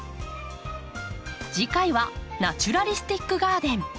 次回は「ナチュラリスティック・ガーデン」。